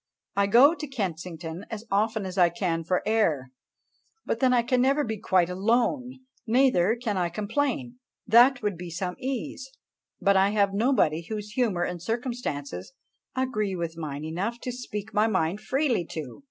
I go to Kensington as often as I can for air; but then I never can be quite alone, neither can I complain that would be some ease; but I have nobody whose humour and circumstances agree with mine enough to speak my mind freely to.